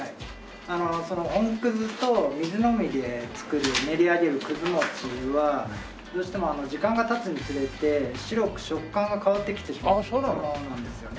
その本と水のみで作る練り上げるもちどうしても時間が経つにつれて白く食感が変わってきてしまうものなんですよね。